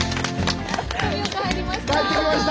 富岡入りました！